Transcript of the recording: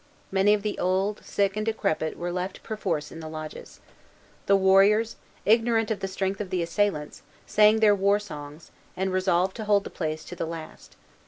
Many of the old, sick, and decrepit were left perforce in the lodges. The warriors, ignorant of the strength of the assailants, sang their war songs, and resolved to hold the place to the last.